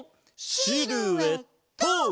シルエット！